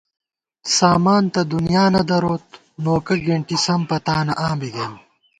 سامان تہ دُنیا نہ دروت نوکہ گېنٹی سم پتانہ آں بی گئیم